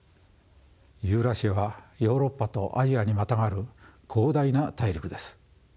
ユーラシアはヨーロッパとアジアにまたがる広大な大陸です。